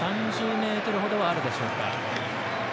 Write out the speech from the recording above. ３０ｍほどはあるでしょうか。